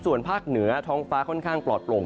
ส่วนภาคเหนือท้องฟ้าค่อนข้างปลอดโปร่ง